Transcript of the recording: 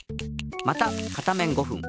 また片面５ふん。